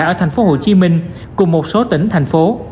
ở tp hcm cùng một số tỉnh thành phố